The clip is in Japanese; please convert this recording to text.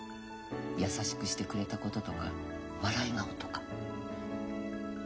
優しくしてくれたこととか笑い顔とか。